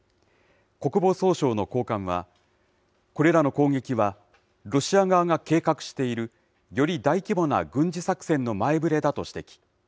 国防総省の高官は、これらの攻撃は、ロシア側が計画しているより大規模な軍事作戦の前触れだと指摘。